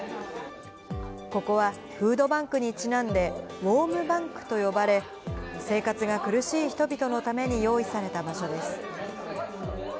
ここはフードバンクにちなんで、ウォームバンクと呼ばれ、生活が苦しい人々のために用意された場所です。